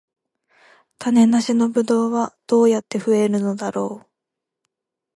種なしブドウはどうやって増えるのだろう